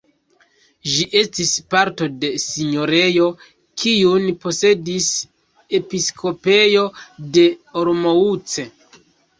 Ĝi estis parto de sinjorejo, kiun posedis episkopejo de Olomouc.